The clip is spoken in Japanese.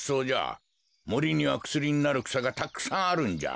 もりにはくすりになるくさがたくさんあるんじゃ。